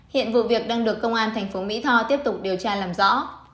hiện vụ việc đang được công an tp mỹ tho tiếp tục điều tra làm rõ